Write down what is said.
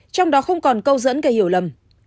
trong đó không còn câu dẫn gây hiểu lầm